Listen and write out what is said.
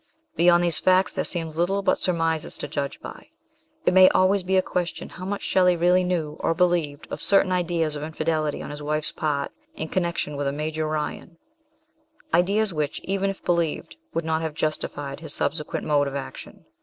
Beyond these facts, there seems little but surmises to judge by. It may always be a question how much Shelley really knew, or believed, of certain ideas of infidelity on his wife's part in connection with a Major Ryan ideas which, even if believed, would not have justified his subsequent mode of action.